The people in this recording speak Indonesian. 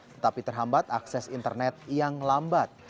tetapi terhambat akses internet yang lambat